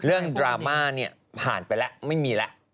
ดราม่าเนี่ยผ่านไปแล้วไม่มีแล้ว